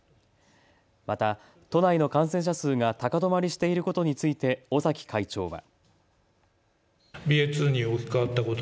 また都内の感染者数が高止まりしていることについて尾崎会長は。